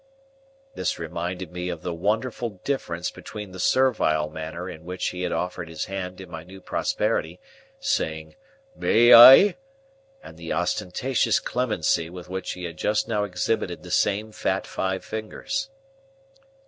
This reminded me of the wonderful difference between the servile manner in which he had offered his hand in my new prosperity, saying, "May I?" and the ostentatious clemency with which he had just now exhibited the same fat five fingers.